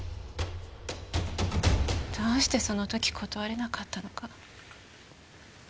どうしてその時断れなかったのか。